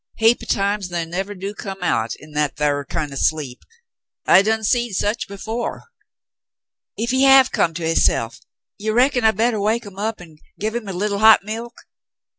"Heap o' times they nevah do come out en that thar kin' o' sleep. I done seed sech before." " Ef he have come to hisself, you reckon I bettah wake 'em up and give her a lee tie hot milk?